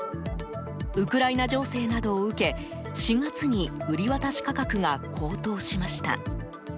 ウクライナ情勢などを受け４月に売渡価格が高騰しました。